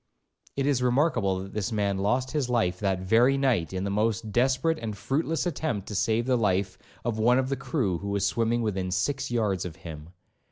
It is remarkable that this man lost his life that very night in the most desperate and fruitless attempt to save the life of one of the crew who was swimming within six yards of him.